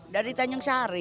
dari tanjung sari